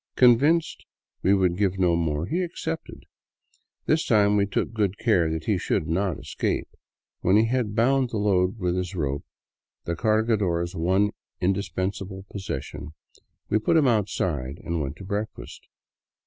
Convinced we would give no more, he accepted. This time we took good care he should not escape. When he had bound the load with his rope — the cargador's one indispensable possession — we put him outside and went to breakfast.